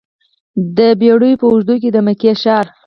د پیړیو په اوږدو کې د مکې ښار.